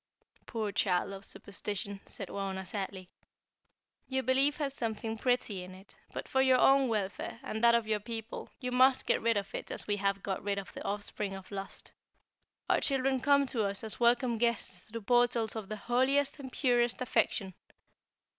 "Poor child of superstition," said Wauna, sadly. "Your belief has something pretty in it, but for your own welfare, and that of your people, you must get rid of it as we have got rid of the offspring of Lust. Our children come to us as welcome guests through portals of the holiest and purest affection.